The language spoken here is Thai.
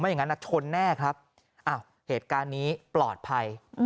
อย่างนั้นชนแน่ครับอ้าวเหตุการณ์นี้ปลอดภัย